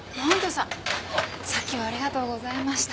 さっきはありがとうございました。